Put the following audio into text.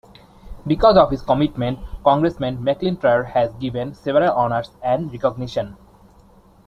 Because of his commitment, Congressman McIntyre has been given several honors and recognitions.